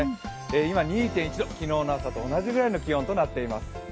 今、２．１度、昨日の朝と同じぐらいの気温となっています。